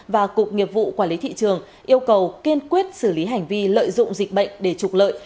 và cục nghiệp vụ quản lý thị trường yêu cầu kiên quyết xử lý hành vi lợi dụng dịch bệnh để trục lợi